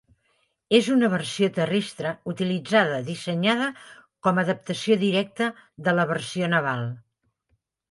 És una versió terrestre utilitzada dissenyada com adaptació directa de la versió naval.